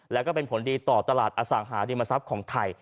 แล้วก็เป็นผลดีต่อตลาดอสังหาริมทรัพย์ของไทย